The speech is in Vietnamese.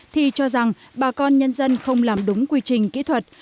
thì cho rằng bà con nhân dân không làm đúng quy trình kỹ thuật